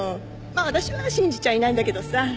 まあ私は信じちゃいないんだけどさ。